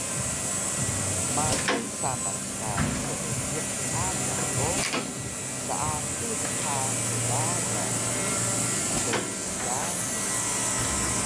Mangal samac ka seejiq alang o seasug dha ddadan ni dngdangi